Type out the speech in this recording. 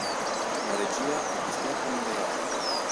La regia è di Stefano Reali.